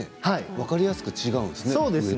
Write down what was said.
分かりやすく違うんですね。